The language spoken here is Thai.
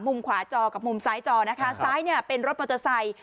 ขวาจอกับมุมซ้ายจอนะคะซ้ายเนี่ยเป็นรถมอเตอร์ไซค์